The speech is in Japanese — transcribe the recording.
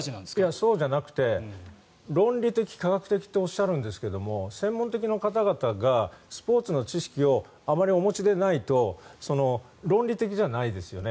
そうじゃなくて論理的、科学的とおっしゃるんですけど専門的な方々がスポーツの知識をあまりお持ちでないと論理的じゃないですよね。